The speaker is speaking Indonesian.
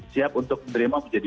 siap untuk menerima menjadi